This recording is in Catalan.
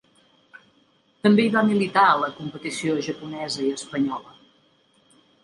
També hi va militar a la competició japonesa i espanyola.